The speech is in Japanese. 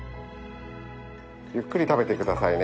ゆっくり食べてくださいね。